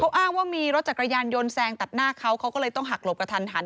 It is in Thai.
อ้างว่ามีรถจักรยานยนต์แซงตัดหน้าเขาเขาก็เลยต้องหักหลบกระทันหัน